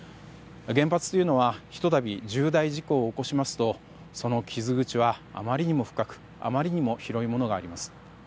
原発というのはひと度、重大事故を起こしますとその傷口はあまりにも深くあまりにも広いものがあります。